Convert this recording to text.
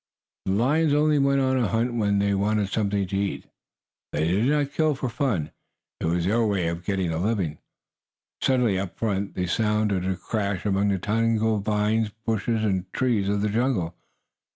The lions only went on a hunt when they wanted something to eat. They did not kill for fun. It was their way of getting a living. Suddenly, up in front, there sounded a crash among the tangled vines, bushes and trees of the jungle.